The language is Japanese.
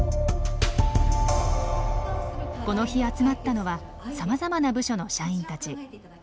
この日集まったのはさまざまな部署の社員たち。